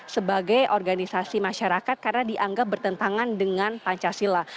sebagai organisasi masyarakat karena dianggap bertentangan dengan pancasila